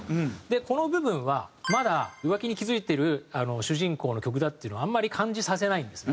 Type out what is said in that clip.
この部分はまだ浮気に気付いてる主人公の曲だっていうのはあんまり感じさせないんですね。